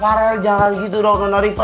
farel jangan gitu dong sama riva